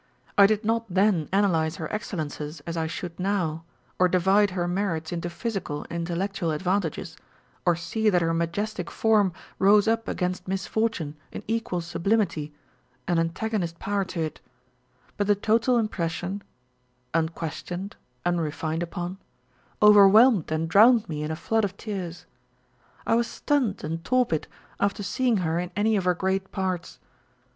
I did not then analyse her excellences as I should now, or divide her merits into physical and intellectual advantages, or see that her majestic form rose up against misfortune in equal sublimity, an antagonist power to it â€" but the total impression (unquestioned, unrefined upon) over whelmed and drowned me in a flood of tears. I was stunned and torpid after seeing her in any of her great parts.